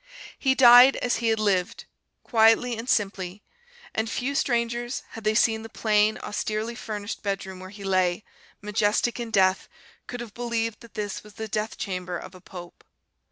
He died as he had lived, quietly and simply; and few strangers, had they seen the plain, austerely furnished bedroom where he lay, majestic in death, could have believed that this was the death chamber of a pope.